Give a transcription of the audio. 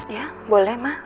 iya boleh ma